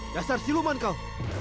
dasar siluman kau